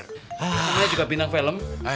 namanya juga bintang film